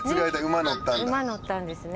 馬乗ったんですね。